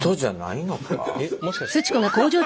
えっもしかして。